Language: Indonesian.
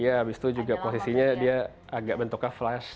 iya abis itu juga posisinya dia agak bentuknya flash